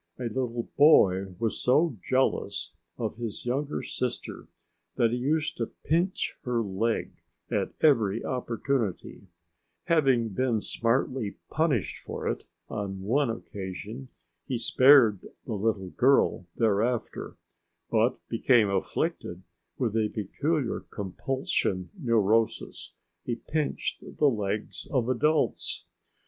A little boy was so jealous of his younger sister that he used to pinch her leg at every opportunity; having been smartly punished for it on one occasion he spared the little girl thereafter, but became afflicted with a peculiar compulsion neurosis: he pinched the legs of adults.